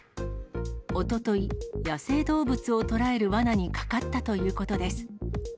おととい、野生動物を捕らえるわなにかかったということです。